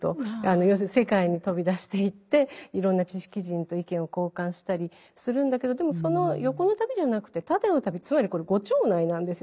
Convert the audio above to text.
要するに世界に飛び出していっていろんな知識人と意見を交換したりするんだけどでもその横の旅じゃなくて縦の旅つまりこれご町内なんですよ。